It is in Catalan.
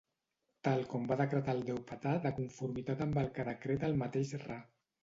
Tal com va decretar el déu Ptah de conformitat amb el que decreta el mateix Ra.